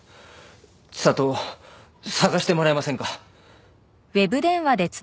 知里を捜してもらえませんか？